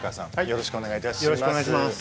よろしくお願いします。